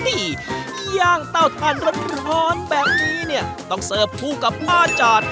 ย่างเต้าทานร้อนแบบนี้เนี่ยต้องเสิร์ฟคู่กับป้าจาด